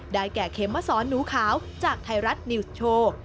แก่เขมสอนหนูขาวจากไทยรัฐนิวส์โชว์